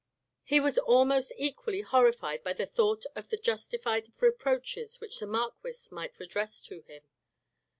He was almost equally horrified by the thought of the justified reproaches which the marquis might address to him.